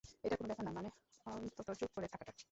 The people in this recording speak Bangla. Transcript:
এটা কোন ব্যাপার না, মানে অন্তত চুপ করে থাকাটা।